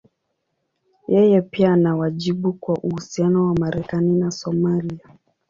Yeye pia ana wajibu kwa uhusiano wa Marekani na Somalia.